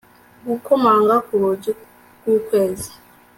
gukomanga ku rugi rw'ukwezi